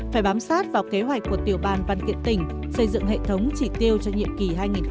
phải bám sát vào kế hoạch của tiểu ban văn kiện tỉnh xây dựng hệ thống chỉ tiêu cho nhiệm kỳ hai nghìn hai mươi hai nghìn hai mươi năm